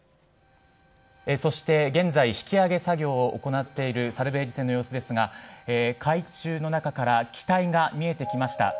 そして現在、引き揚げ作業を行っているサルベージ船の様子ですが、海中の中から機体が見えてきました。